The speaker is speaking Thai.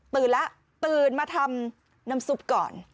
ตื่นแล้วตื่นมาทำน้ำซุปก่อน